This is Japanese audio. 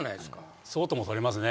そうとも取れますね。